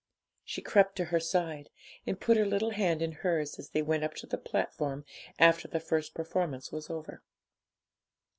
She crept to her side, and put her little hand in hers as they went up to the platform after the first performance was over.